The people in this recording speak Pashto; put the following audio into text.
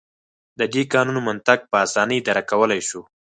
د دې قانون منطق په اسانۍ درک کولای شو.